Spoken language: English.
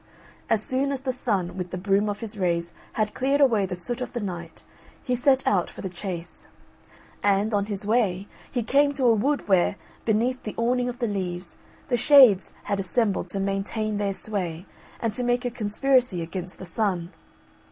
As soon as the Sun with the broom of his rays had cleared away the soot of the Night he set out for the chase; and, on his way, he came to a wood where, beneath the awning of the leaves, the Shades has assembled to maintain their sway, and to make a conspiracy against the Sun.